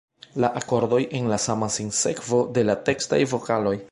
La akordoj en la sama sinsekvo de la tekstaj vokaloj.